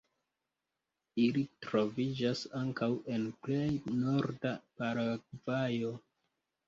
Ili troviĝas ankaŭ en plej norda Paragvajo.